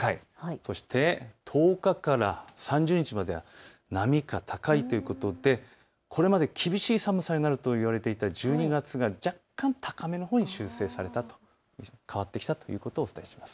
そして１０日から３０日までは並みか高いということでこれまで厳しい寒さになると言われていた１２月が若干高めのほうに修正されたと、変わってきたということをお伝えします。